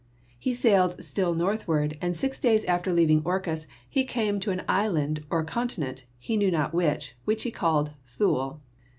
He sailed still north ward, and six days after leaving Orcas he came to an 24 GEOLOGY island or a continent — he knew not which — which he called Thule.